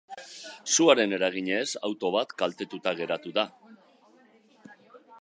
Suaren eraginez auto bat kaltetuta geratu da.